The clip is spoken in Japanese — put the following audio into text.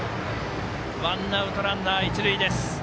ワンアウト、ランナー、一塁です。